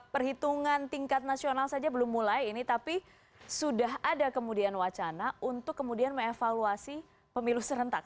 perhitungan tingkat nasional saja belum mulai ini tapi sudah ada kemudian wacana untuk kemudian mengevaluasi pemilu serentak